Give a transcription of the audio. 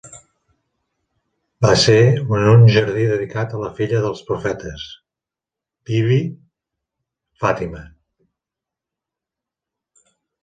Va ser en un jardí dedicat a la filla dels profetes, Bibi Fatimah.